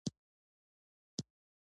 دا قشر له فلز څخه د پاڼو په څیر جلا کیږي.